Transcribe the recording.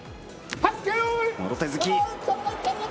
もろ手突き。